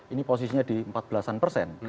ini posisinya di empat belas an persen